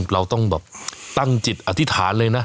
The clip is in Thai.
เราต้องแบบตั้งจิตอธิษฐานเลยนะ